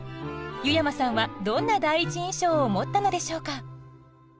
湯山さんはどんな第一印象を持ったのでしょうか